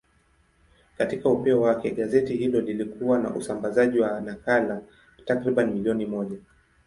Katika upeo wake, gazeti hilo lilikuwa na usambazaji wa nakala takriban milioni moja.